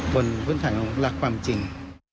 บนพุทธภัยของหลักความจริง